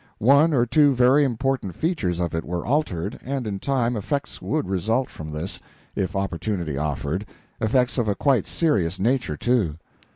One or two very important features of it were altered, and in time effects would result from this, if opportunity offered effects of a quite serious nature, too.